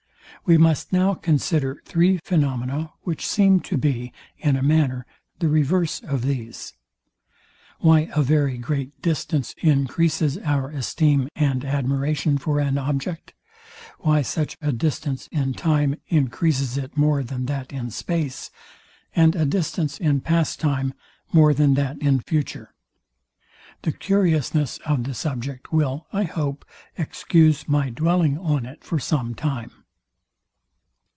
We must now consider three phaenomena, which seem to be, in a manner, the reverse of these: Why a very great distance encreases our esteem and admiration for an object; Why such a distance in time encreases it more than that in space: And a distance in past time more than that in future. The curiousness of the subject will, I hope, excuse my dwelling on it for some time.